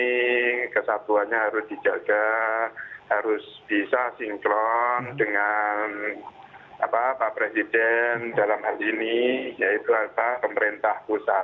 jadi kesatuannya harus dijaga harus bisa sinkron dengan pak presiden dalam hal ini yaitu pak pemerintah pusat